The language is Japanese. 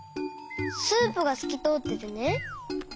スープがすきとおっててね。